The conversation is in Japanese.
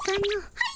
はい！